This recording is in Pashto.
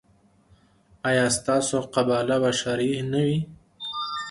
ایا ستاسو قباله به شرعي نه وي؟